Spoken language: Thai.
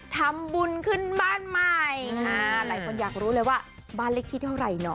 ทำบุญขึ้นบ้านใหม่หลายคนอยากรู้เลยว่าบ้านเล็กที่เท่าไหร่หนอ